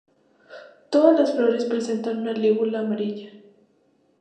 Todas las flores presentan una lígula amarilla.